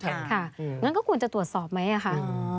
ค่ะค่ะอย่างนั้นก็ควรจะตรวจสอบไหมอ่ะค่ะ